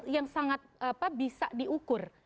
yang sangat bisa diukur